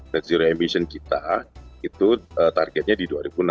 net zero emission kita itu targetnya di dua ribu enam belas